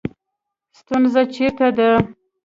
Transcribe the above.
ستونزه چېرته ده